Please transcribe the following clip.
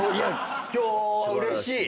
今日はうれしい！